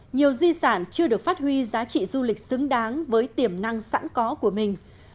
nhiều di sản chưa được phát huy giá trị du lịch xứng đáng với tiềm năng sẵn có của mình